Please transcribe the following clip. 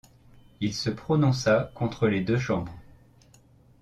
Il se prononça contre les deux Chambres.